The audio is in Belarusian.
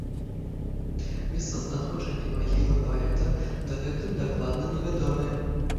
Месцазнаходжанне магілы паэта дагэтуль дакладна невядомае.